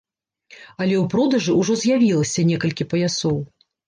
Але ў продажы ўжо з'явілася некалькі паясоў.